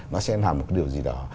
nó sẽ làm một điều gì đó